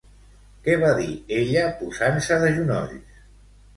Què va dir ella posant-se de genolls?